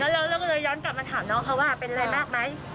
เราก็เลยย้อนกลับมาถามน้องเขาว่าเป็นอะไรมากไหม